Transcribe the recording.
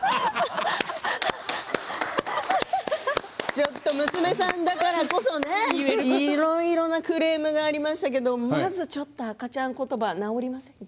ちょっと娘さんだからこそいろいろなクレームがありましたけれど、まずちょっと、赤ちゃん言葉直りませんか？